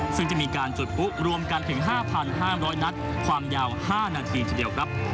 ซึ่งจะมีการจุดปุ๊รวมกันถึง๕๕๐๐นัดความยาว๕นาทีทีเดียวครับ